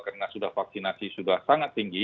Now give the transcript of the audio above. karena sudah vaksinasi sudah sangat tinggi